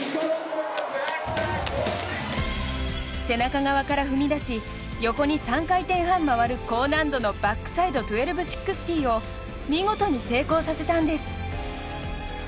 背中側から踏み出し横に３回転半回る高難度のバックサイド１２６０を見事に成功させたんです。